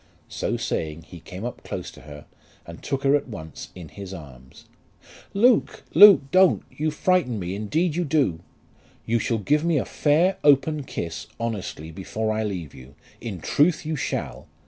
So saying he came up close to her, and took her at once in his arms. "Luke, Luke; don't. You frighten me; indeed you do." "You shall give me a fair open kiss, honestly, before I leave you, in truth you shall.